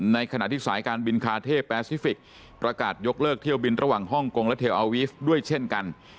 ในขณะที่สายการบินคาเท่แปซิฟิกประกาศยกเลิกเที่ยวบินระหว่างฮ่องกงและเทลอาวีฟด้วยเช่นกัน